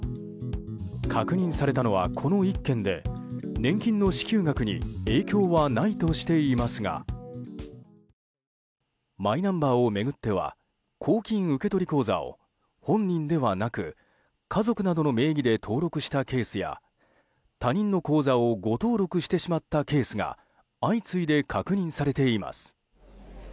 確認されたのはこの１件で年金の支給額に影響はないとしていますがマイナンバーを巡っては公金受取口座を本人ではなく、家族などの名義で登録したケースや他人の口座を誤登録してしまったケースが相次いで確認されています。